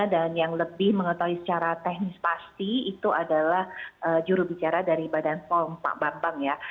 dan yang lebih mengetahui secara teknis pasti itu adalah jurubicara dari badan pom pak bambang ya